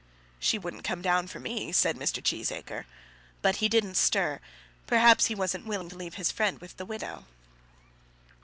"She wouldn't come down for me," said Mr. Cheesacre. But he didn't stir. Perhaps he wasn't willing to leave his friend with the widow.